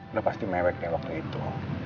udah pasti mewek ya waktu itu